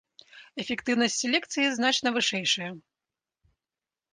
Эфектыўнасць селекцыі значна вышэйшая.